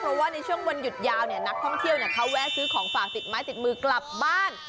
เพราะว่าในช่วงวันหยุดยาวเนี่ยนักท่องเที่ยวเขาแวะซื้อของฝากติดไม้ติดมือกลับบ้าน